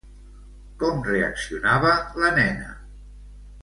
Com reaccionava la nena?